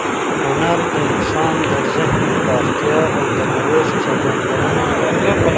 هنر د انسان د ذهن پراختیا او د نوښت څرګندونه ده.